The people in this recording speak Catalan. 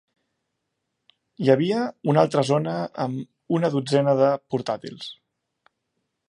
Hi havia una altra zona amb una dotzena de portàtils.